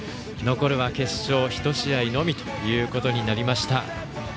残るは決勝１試合のみということになりました。